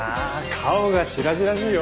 顔が白々しいよ。